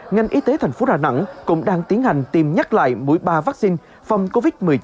ngành y tế thành phố đà nẵng cũng đang tiến hành tiêm nhắc lại mũi ba vaccine phòng covid một mươi chín